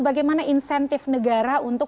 bagaimana insentif negara untuk